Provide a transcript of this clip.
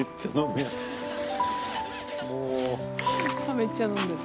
めっちゃ飲んでる。